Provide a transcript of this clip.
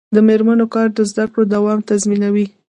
د میرمنو کار د زدکړو دوام تضمینوي.